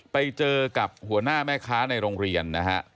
ไปเจอกับหัวหน้าแม่ค้าในโรงเรียนนะฮะ